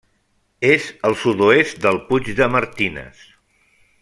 És al sud-oest del Puig de Martines.